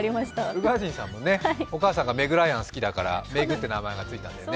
宇賀神さんもおかあさんがメグライアン好きだからめぐってつけたんだよね。